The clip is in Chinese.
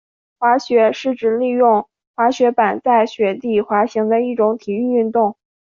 滑雪是指利用滑雪板在雪地滑行的一种体育运动。